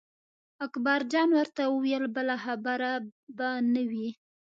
اکبر جان ورته وویل بله خبره به نه وي.